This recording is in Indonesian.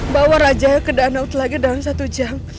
bawa rajanya ke danau selagi dalam satu jam